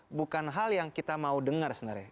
saya pikir bukan hal yang kita mau dengar sebenarnya